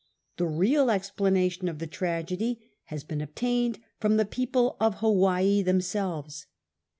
The real explanation of the tragedy has been obtained fi om the people of Hawaii themselves.